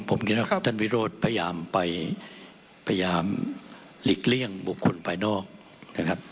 ผมคิดว่าครับท่านวิโรธพยายามไปพยายามหลีกเลี่ยงบุคคลภายนอกนะครับ